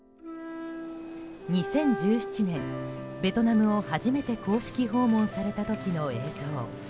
２０１７年、ベトナムを初めて公式訪問された時の映像。